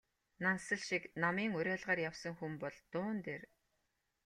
Нансал шиг намын уриалгаар явсан хүн бол дуун дээр...